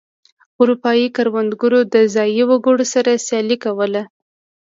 اروپايي کروندګرو د ځايي وګړو سره سیالي کوله.